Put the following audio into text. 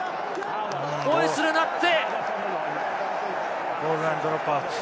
ホイッスルが鳴って。